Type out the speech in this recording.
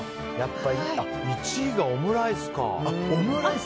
１位がオムライスか。